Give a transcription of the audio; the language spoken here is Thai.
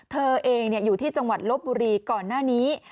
เธอเองอยู่ที่จังหวัดลบบุรีก่อนหน้านี้